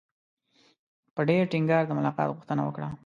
په ډېر ټینګار د ملاقات غوښتنه وکړه.